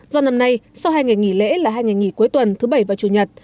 do năm nay sau hai ngày nghỉ lễ là hai ngày nghỉ cuối tuần thứ bảy và chủ nhật